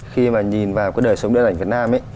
khi mà nhìn vào cái đời sống điện ảnh việt nam ấy